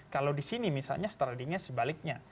kalau di sini misalnya strateginya sebaliknya